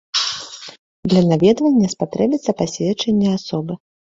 Для наведвання спатрэбіцца пасведчанне асобы.